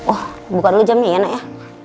oh bukan lo jamnya ya nek ya